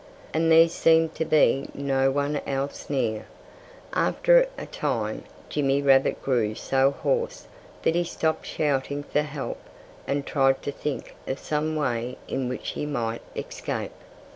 And there seemed to be no one else near. After a time Jimmy Rabbit grew so hoarse that he stopped shouting for help and tried to think of some way in which he might escape.